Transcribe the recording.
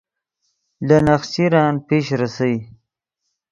لے نخچرن پیش ریسئے